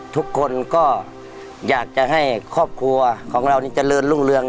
ทุกคนก็อยากจะให้ครอบครัวของเรานี่เจริญรุ่งเรือง